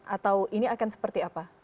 atau ini akan seperti apa